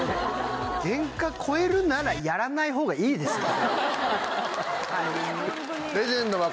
原価超えるならやらないほうがいいですよ